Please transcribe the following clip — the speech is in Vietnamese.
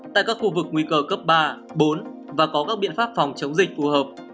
tại các khu vực nguy cơ cấp ba bốn và có các biện pháp phòng chống dịch phù hợp